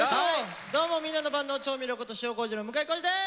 どうもみんなの万能調味料こと塩こうじの向井康二です！